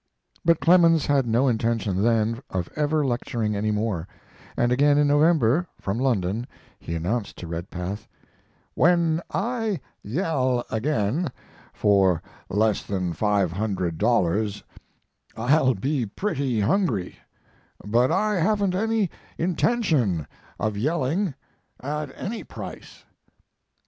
But Clemens had no intention then of ever lecturing any more, and again in November, from London, he announced (to Redpath): "When I yell again for less than $500 I'll be pretty hungry, but I haven't any intention of yelling at any price."